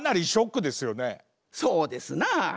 そうですな。